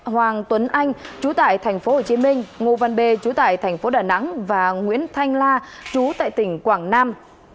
hoàng tuấn anh trú tại tp hcm ngô văn bê trú tại tp đà nẵng và nguyễn thanh la trú tại tỉnh quảng nam